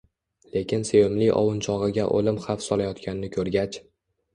Lekin sevimli ovunchogʻiga oʻlim xavf solayotganini koʻrgach